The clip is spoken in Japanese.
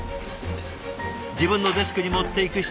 自分のデスクに持っていく人。